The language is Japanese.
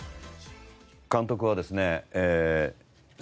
監督はですね